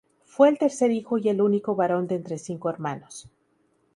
Fue el tercer hijo y el único varón de entre cinco hermanos.